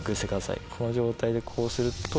この状態でこうすると。